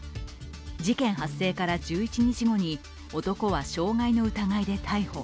事件発生から１１日後に男は傷害の疑いで逮捕。